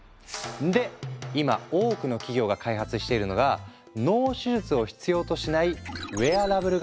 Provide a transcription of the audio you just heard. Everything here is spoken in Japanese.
で今多くの企業が開発しているのが脳手術を必要としない